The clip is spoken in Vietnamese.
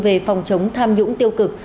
về phòng chống tham nhũng tiêu cực